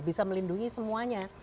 bisa melindungi semuanya